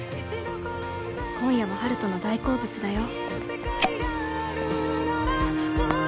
「今夜は温人の大好物だよ」